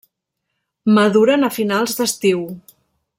Maduren a finals d'estiu.